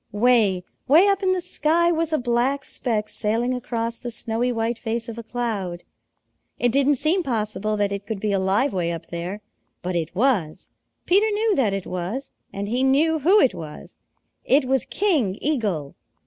Way, way up in the sky was a black speck sailing across the snowy white face of a cloud. It didn't seem possible that it could be alive way up there. But it was. Peter knew that it was, and he knew who it was. It was King Eagle.